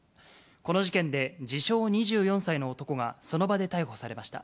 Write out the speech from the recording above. この事件で、自称２４歳の男が、その場で逮捕されました。